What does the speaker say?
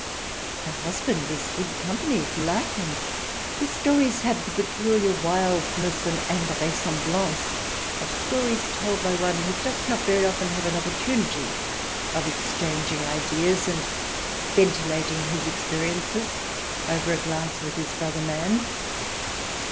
Her hus band is good company if you like, and his stories have the peculiar wildness and invraisemblance of stories told by one who does not very often have an opportunity of exchanging ideas and ventilating his experiences over a glass with his brother man.